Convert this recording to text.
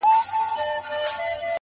د ملک د مخه مه تېرېږه، د غاتري تر شا.